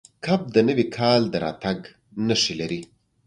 کب د نوي کال د راتګ نښې لري.